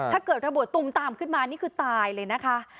ถ้าเกิดระเบิดตุมตามขึ้นมานี่คือตายเลยนะคะ